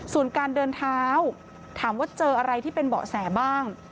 ส่วนการเดินเท้าถามว่าเจออะไรที่เป็นเบาะแสบ้าง